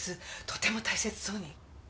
とても大切そうに。